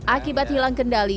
akibat hilang kendali